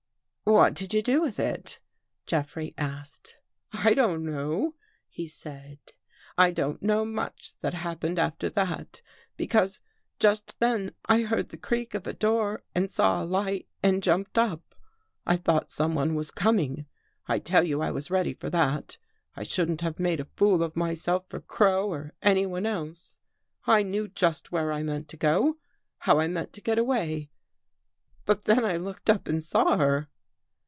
" What did you do with it? " Jeffrey asked. " I don't know," he said. " I don't know much that happened after that, because just then I heard the creak of a door and saw a light and jumped up. I thought someone was coming. I tell you I was ready for that. I shouldn't have made a fool of myself for Crow or anyone else. I knew just where I meant to go — how I meant to get away. But then I looked up and saw her."